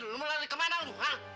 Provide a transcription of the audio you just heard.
lu mau lari ke mana lu